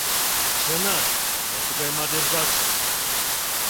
Чынак, мо тугай мардежвакш?